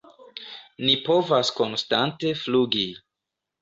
"Ni povas konstante flugi!"